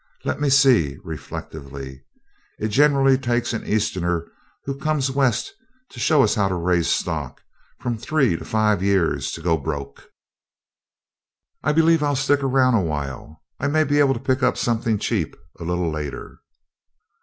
"Let me see," reflectively. "It generally takes an easterner who comes west to show us how to raise stock from three to five years to go broke. I believe I'll stick around a while; I may be able to pick up something cheap a little later."